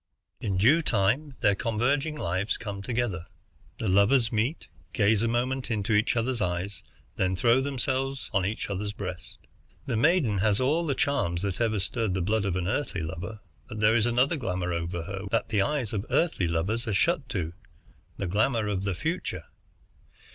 "In due time their converging lives come together. The lovers meet, gaze a moment into each other's eyes, then throw themselves each on the other's breast. The maiden has all the charms that ever stirred the blood of an Earthly lover, but there is another glamour over her which the eyes of Earthly lovers are shut to, the glamour of the future.